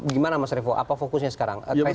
gimana mas revo apa fokusnya sekarang